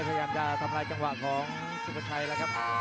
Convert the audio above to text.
พยายามจะทำลายจังหวะของสุภาชัยแล้วครับ